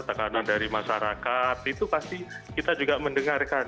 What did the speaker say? tekanan dari masyarakat itu pasti kita juga mendengarkan